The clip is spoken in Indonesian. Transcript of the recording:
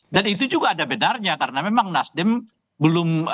dan itu juga ada benarnya karena memang nasdem belum